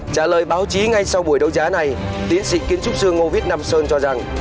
trả lời báo chí ngay sau buổi đấu giá này tiến sĩ kiến trúc sư ngô viết nam sơn cho rằng